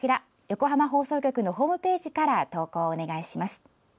横浜放送局のホームページから投稿お願いします。